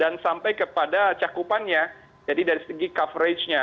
dan sampai kepada cakupannya jadi dari segi coveragenya